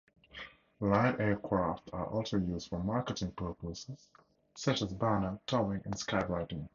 Light aircraft are also used for marketing purposes, such as banner towing and skywriting.